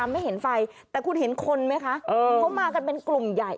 ไม่เห็นไฟแต่คุณเห็นคนไหมคะเขามากันเป็นกลุ่มใหญ่